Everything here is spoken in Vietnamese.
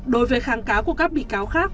đối với kháng cáo của các bị cáo khác